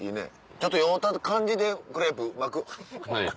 ちょっと酔うた感じでクレープ巻く。